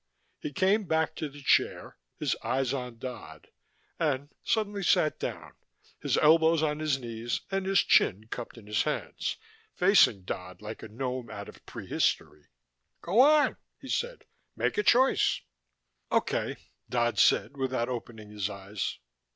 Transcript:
He came back to the chair, his eyes on Dodd, and sat suddenly down, his elbows on his knees and his chin cupped in his hands, facing Dodd like a gnome out of pre history. "Go on," he said. "Make a choice." "Okay," Dodd said without opening his eyes.